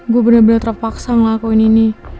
gue bener bener terpaksa ngelakuin ini